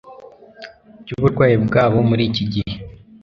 by'uburwayi bwabo. muri iki gihe